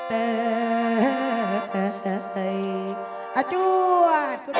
อาจวาดพ่อโชว์เป่าแค้น